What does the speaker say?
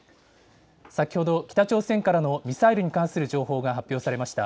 先ほど北朝鮮からのミサイルに関する情報が発表されました。